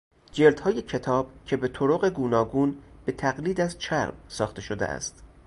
جلدهای کتاب کهبه طرق گوناگون به تقلید از چرم ساخته شده است